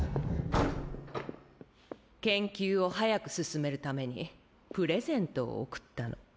研究を早く進めるためにプレゼントを贈ったの。